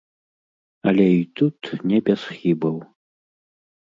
Але і тут не без хібаў.